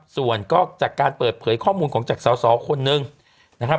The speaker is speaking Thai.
ส่วนก็จากการเปิดเผยข้อมูลของจากสอสอคนนึงนะครับ